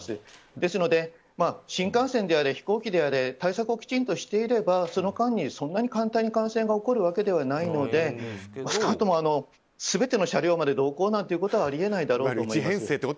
ですので新幹線であれ飛行機であれ対策をきちんとしていればその間に、そんなに簡単に感染が起こるわけではないので少なくとも全ての車両が濃厚接触者なんてことはないと思います。